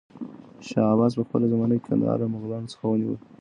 شاه عباس په خپله زمانه کې کندهار له مغلانو څخه ونيو.